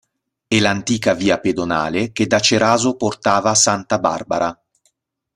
È l'antica via pedonale che da Ceraso portava Santa Barbara.